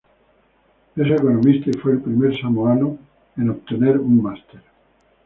Es economista y fue el primer samoano en obtener un Máster.